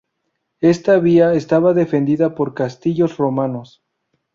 Esta vía estaba defendida por castillos romanos.